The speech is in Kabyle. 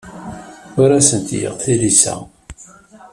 Ur asent-ttgeɣ tilisa.